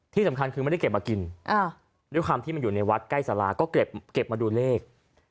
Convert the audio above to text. ที่สำคัญคือไม่ได้เก็บมากินด้วยความที่มันอยู่ในวัดใกล้สาราก็เก็บมาดูเลข